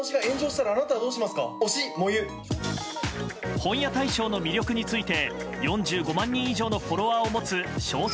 本屋大賞の魅力について４５万人以上のフォロワーを持つ小説